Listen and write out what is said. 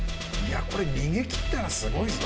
これ逃げ切ったらすごいぞ。